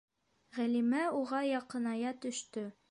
— Ғәлимә уға яҡыная төштө.